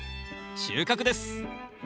収穫です！